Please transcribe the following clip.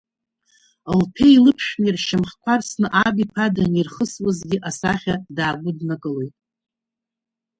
Лԥеи лыԥшәмеи ршьамхқәа арсны аб иԥа данирхысуазтәи асахьа даагәыднакылоит.